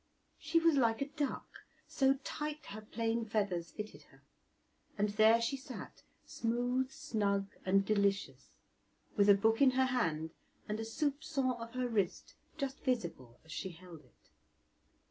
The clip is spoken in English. She was like a duck, so tight her plain feathers fitted her, and there she sat, smooth, snug, and delicious, with a book in her hand and a soupcon of her wrist just visible as she held it.